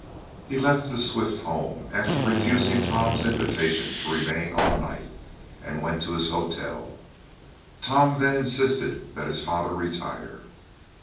He left the Swift home, after refusing Tom's invitation to remain all night, and went to his hotel. Tom then insisted that his father retire.